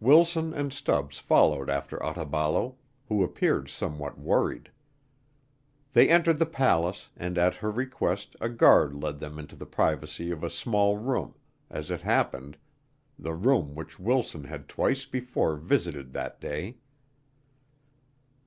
Wilson and Stubbs followed after Otaballo, who appeared somewhat worried. They entered the palace, and at her request a guard led them into the privacy of a small room as it happened, the room which Wilson had twice before visited that day.